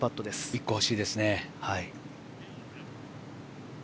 １個、欲しいですね。